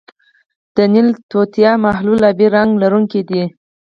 د نیل توتیا محلول آبی رنګ لرونکی دی.